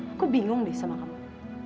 aku bingung nih sama kamu